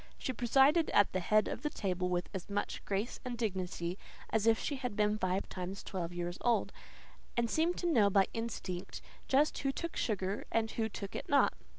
She presided at the head of the table with as much grace and dignity as if she had been five times twelve years old, and seemed to know by instinct just who took sugar and who took it not.